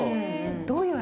どういう味？